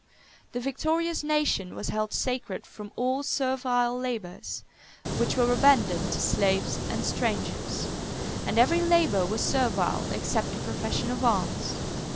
The victorious nation was held sacred from all servile labors, which were abandoned to slaves and strangers; and every labor was servile except the profession of arms.